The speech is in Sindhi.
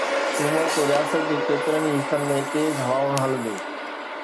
سومر تي رياست جي ڪيترن ئي حصن ۾ تيز هوائون هلنديون